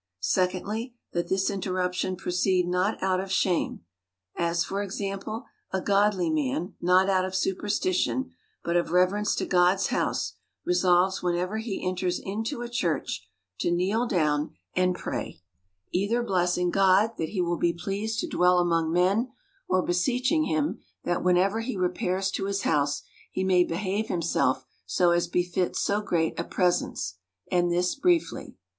Secondly, that this interruption proceed not out of shame. As for example : a godly man, not out of superstiiion, but of reverence to God's house, resolves whenever he enters into a church, to kneel down and 68 THE COUNTRY PARSON. pray : either blessing God, that he will be pleased to dwell among men ; or beseeching him that whenever he repairs to his house, he may behave himself so as befits so great a presence ; and this briefly.